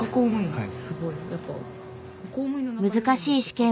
はい。